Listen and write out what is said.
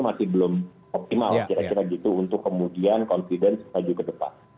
masih belum optimal kira kira gitu untuk kemudian confidence maju ke depan